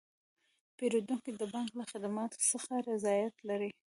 پیرودونکي د بانک له خدماتو څخه رضایت لري.